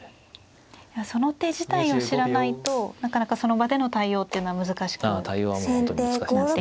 その手自体を知らないとなかなかその場での対応っていうのは難しくなってますね。